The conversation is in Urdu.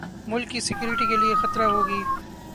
ملک کی سیکیورٹی کے لیے خطرہ ہوگی